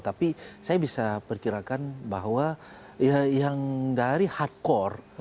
tapi saya bisa perkirakan bahwa yang dari hardcore